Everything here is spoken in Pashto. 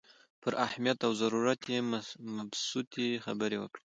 پر اهمیت او ضرورت یې مبسوطې خبرې وکړې.